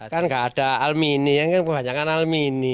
kan gak ada almini yang kan kebanyakan almini